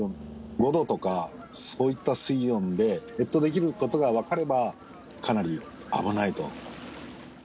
５度とかそういった水温で越冬できることが分かれば、かなり危ないと。